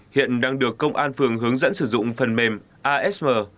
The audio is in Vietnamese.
hiện đang được công an phường hướng dẫn sử dụng phần mềm asm